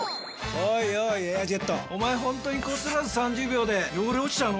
おいおい「エアジェット」おまえホントにこすらず３０秒で汚れ落ちちゃうの？